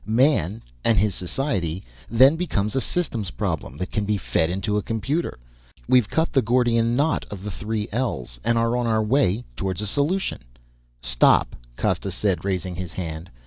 Man and his society then becomes a systems problem that can be fed into a computer. We've cut the Gordian knot of the three L's and are on our way towards a solution." "Stop!" Costa said, raising his hand.